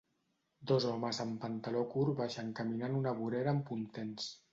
Dos homes en pantaló curt baixen caminant una vorera amb puntents